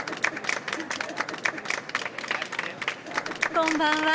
こんばんは。